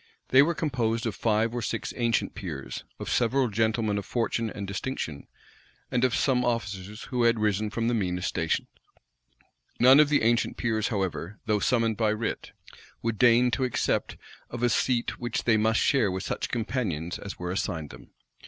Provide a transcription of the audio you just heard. They were composed of five or six ancient peers, of several gentlemen of fortune and distinction, and of some officers who had risen from the meanest stations. None of the ancient peers, however, though summoned by writ, would deign to accept of a seat which they must share with such companions as were assigned them.